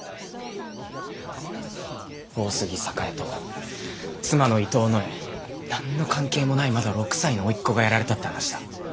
大杉栄と妻の伊藤野枝何の関係もないまだ６歳の甥っ子がやられたって話だ。